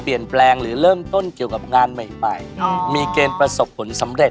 เขาเรื่องความรักตลอดเลย